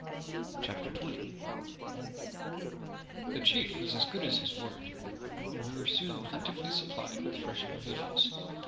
CHAPTER 20 The chief was as good as his word, and we were soon plentifully supplied with fresh provisions.